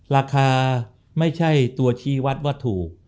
ราคาไม่ใช่ตัวชี้วัดว่าถูก